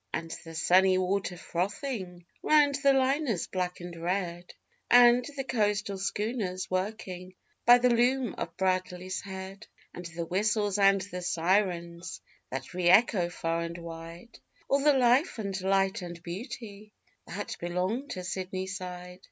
And the sunny water frothing round the liners black and red, And the coastal schooners working by the loom of Bradley's Head; And the whistles and the sirens that re echo far and wide All the life and light and beauty that belong to Sydney Side.